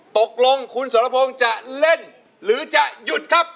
ตกลงคุณสรพงศ์จะเล่นหรือจะหยุดครับ